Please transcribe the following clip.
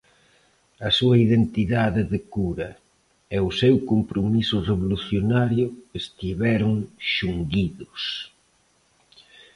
A súa identidade de cura e o seu compromiso revolucionario estiveron xunguidos.